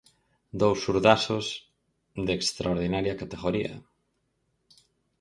Dous zurdazos de extraordinaria categoría.